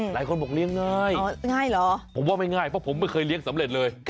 หลายคนบอกเลี้ยงง่ายเหรอผมว่าไม่ง่ายเพราะผมไม่เคยเลี้ยงสำเร็จเลย